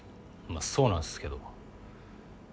まあそうなんすけど。